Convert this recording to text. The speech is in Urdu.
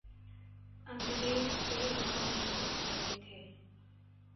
انگریس کے رکن بھی رہے تھے